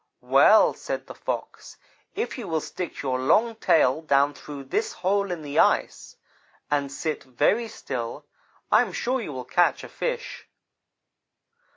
"'Well,' said the Fox, 'if you will stick your long tail down through this hole in the ice, and sit very still, I am sure you will catch a fish.'